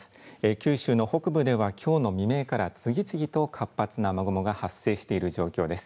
九州の北部ではきょうの未明から次々と活発な雨雲が発生している状況です。